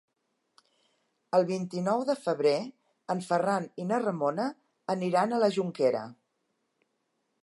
El vint-i-nou de febrer en Ferran i na Ramona aniran a la Jonquera.